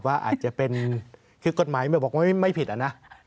อาจจะเป็นคือกฎหมายบอกว่าไม่ผิดอะนะ